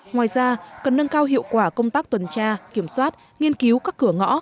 ngoài ra cần nâng cao hiệu quả công tác tuần tra kiểm soát nghiên cứu các cửa ngõ